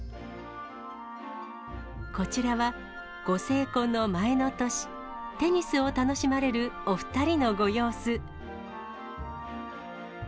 こちらは、ご成婚の前の年、テニスを楽しまれるお２人のご様子。